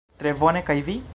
Tre bone kaj vi?